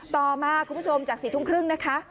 ต่อมาคุณผู้ชมจาก๔ทุ่มครึ่งนะคะ